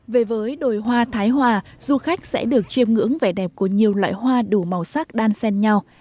về với đồi hoa thái hòa du khách sẽ được chiêm ngưỡng vẻ đẹp của nhiều loại hoa đủ màu sắc đan sen nhau